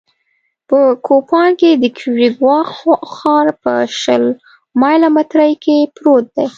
په کوپان کې د کیوریګوا ښار په شل مایله مترۍ کې پروت دی